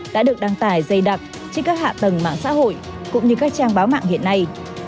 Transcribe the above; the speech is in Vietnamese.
đã được đăng tải dày đặc trên các hạ tầng mạng xã hội cũng như các trang báo mạng hiện nay